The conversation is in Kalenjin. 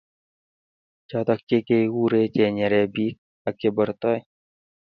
Choto che kekekure chenyere bich ak chebortoi